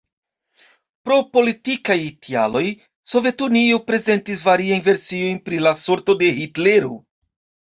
Pro politikaj tialoj, Sovetunio prezentis variajn versiojn pri la sorto de Hitlero.